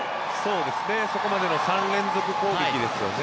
そこまでの３連続攻撃ですよね。